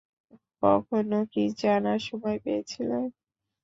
কখনও কি জানার সময় পেয়েছিলে?